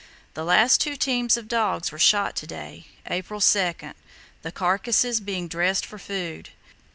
"The last two teams of dogs were shot to day (April 2) the carcasses being dressed for food.